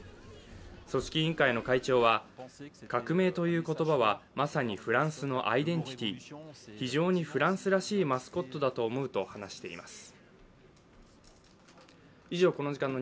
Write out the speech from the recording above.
組織委員会の会長は、革命という言葉はまさにフランスのアイデンティティー、非常にフランスらしいマスコットだと思うと話しています。